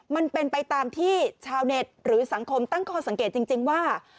มันเป็นไปตามที่ชาวเน็ตหรือสังคมตั้งข้อสังเกตจริงว่า